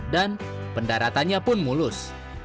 dan pendaratannya pun mulus